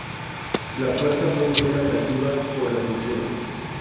La fuerza puede ser atractiva o repulsiva.